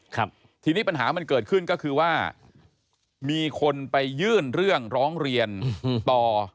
ครับทีนี้ปัญหามันเกิดขึ้นก็คือว่ามีคนไปยื่นเรื่องร้องเรียนต่อ